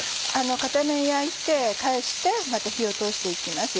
片面焼いて返してまた火を通して行きます。